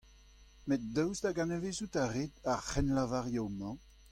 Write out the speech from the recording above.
Met daoust hag anavezout a rit ar cʼhrennlavarioù-mañ ?